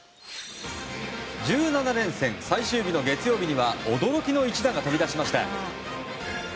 １７連戦最終日の月曜日には驚きの一打が飛び出しました。